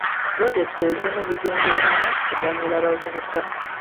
Pulojekiti ezimu zigendereramu kuganyula bavubuka